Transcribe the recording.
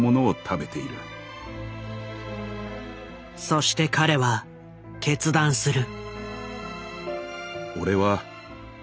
そして彼は決断する。